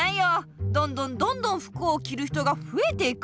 どんどんどんどん服をきる人がふえていく！